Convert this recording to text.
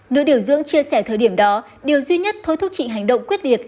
nữ điều dưỡng chia sẻ thời điểm đó điều duy nhất thôi thúc chị hành động quyết liệt